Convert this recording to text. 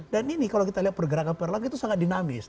dan ini kalau kita lihat pergerakan pak erlangga itu sangat dinamis